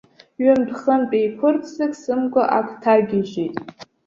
Ҩынтә-хынтә еиқәырццак сымгәа ак ҭагьежьит.